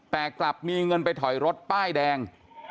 แต่กลับมีเงินไปถอยรถป้ายแดง